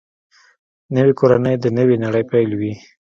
نوې کورنۍ د نوې نړۍ پیل وي